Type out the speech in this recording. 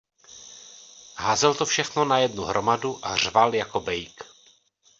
Házel to všechno na jednu hromadu a řval jako bejk.